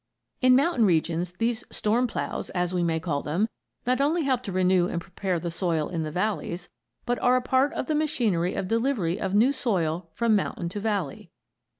] In mountain regions these "storm ploughs," as we may call them, not only help to renew and prepare the soil in the valleys, but are a part of the machinery of delivery of new soil from mountain to valley.